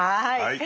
はい。